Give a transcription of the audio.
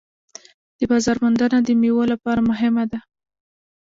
د بازار موندنه د میوو لپاره مهمه ده.